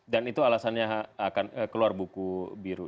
dan itu alasannya akan keluar buku biru